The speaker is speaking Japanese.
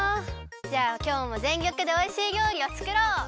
じゃあきょうもぜんりょくでおいしいりょうりをつくろう！